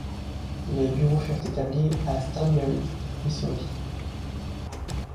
Les Bureaux furent établis à Stanberry, Missouri.